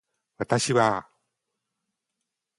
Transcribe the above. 私はあ